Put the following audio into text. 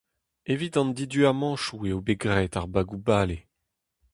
Evit an diduamantoù eo graet ar bagoù-bale.